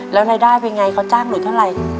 แล้วรายได้เป็นไงเขาจ้างหนูเท่าไหร่